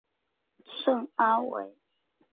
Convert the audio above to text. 圣阿维。